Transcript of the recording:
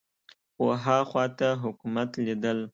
خو ها خوا ته حکومت لیدل